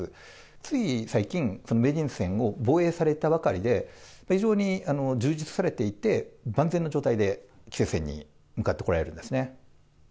つい最近、名人戦を防衛されたばかりで、非常に充実されていて、万全の状態で棋聖戦に向かってこられるんですね。